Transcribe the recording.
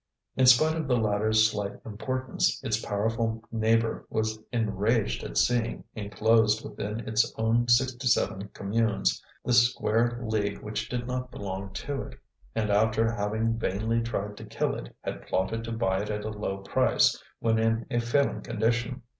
In spite of the latter's slight importance, its powerful neighbour was enraged at seeing, enclosed within its own sixty seven communes, this square league which did not belong to it, and after having vainly tried to kill it had plotted to buy it at a low price when in a failing condition.